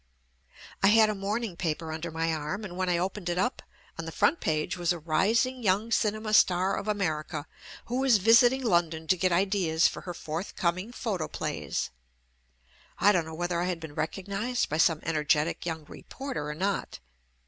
I had a morning paper under my arm and when I opened it up — on the front page was a large photograph of myself — "Pearl White, a JUST ME Kising Young Cinema Star of America, Who Is Visiting London to Get Ideas For Her Forthcoming Photoplays." I don't know whether I had been recognized by some ener getic young reporter or not.